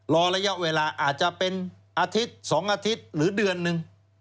ระยะเวลาอาจจะเป็นอาทิตย์๒อาทิตย์หรือเดือนหนึ่ง